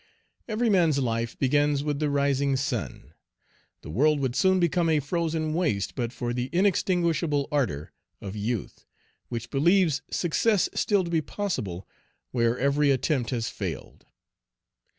Every man's life begins with the rising sun. The world would soon become a frozen waste but for the inextinguishable ardor of youth, which believes success still to be possible where every attempt has failed.